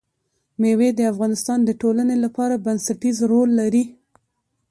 مېوې د افغانستان د ټولنې لپاره بنسټيز رول لري.